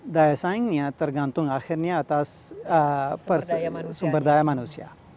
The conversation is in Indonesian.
daya saingnya tergantung akhirnya atas sumber daya manusia